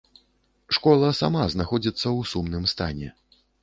Школа сама знаходзіцца ў сумным стане.